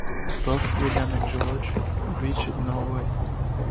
Both "William" and "George" reached Norway.